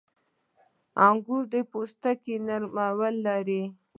• انګور پوستکی نری لري.